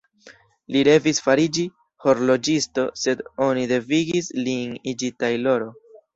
Li revis fariĝi horloĝisto, sed oni devigis lin iĝi tajloro.